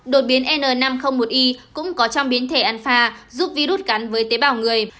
đột biến n năm trăm linh một i cũng có trong biến thể anfa giúp virus gắn với tế bào người